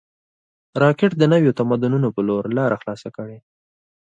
راکټ د نویو تمدنونو په لور لاره خلاصه کړې